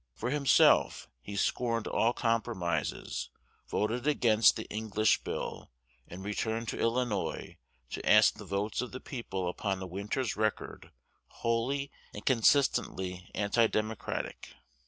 For himself he scorned all compromises, voted against the English Bill, and returned to Illinois to ask the votes of the people upon a winter's record wholly and consistently anti Democratic.